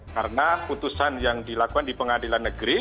karena putusan yang dilakukan di pengadilan negara